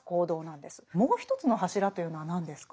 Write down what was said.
もう一つの柱というのは何ですか？